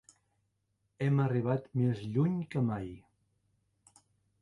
Hem arribat més lluny que mai.